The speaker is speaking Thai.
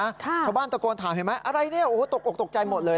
ชาวบ้านตะโกนถามเห็นไหมอะไรเนี่ยโอ้โหตกออกตกใจหมดเลย